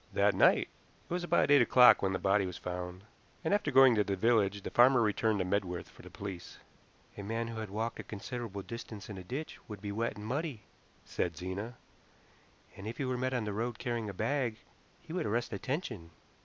"That night. It was about eight o'clock when the body was found, and after going to the village the farmer returned to Medworth for the police." "A man who had walked a considerable distance in a ditch would be wet and muddy," said Zena, "and if he were met on the road carrying a bag he would arrest attention."